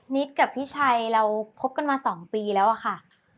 นิดกับพี่ชัยเราคบกันมาสองปีแล้วค่ะ